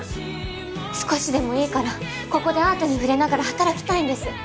少しでもいいからここでアートに触れながら働きたいんです